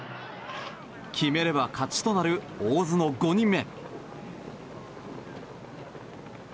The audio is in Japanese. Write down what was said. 決めれば勝ちとなる大津の５人目。